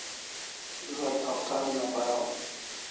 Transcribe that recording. Zo't dawtar una paraw